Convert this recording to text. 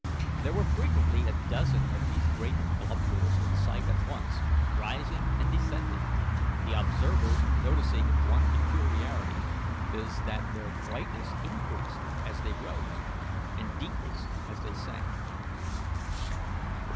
There were frequently a dozen of these great globules in sight at once, rising and descending, the observers noticing one peculiarity, viz., that their brightness increased as they rose, and decreased as they sank.